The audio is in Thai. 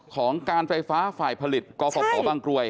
ของการไฟฟ้าฝ่ายผลิตกฟภบางกรวย